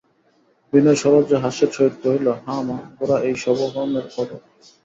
বিনয় সলজ্জ হাস্যের সহিত কহিল, হাঁ মা, গোরা এই শুভকর্মের ঘটক।